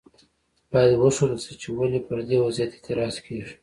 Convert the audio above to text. باید وښودل شي چې ولې پر دې وضعیت اعتراض کیږي.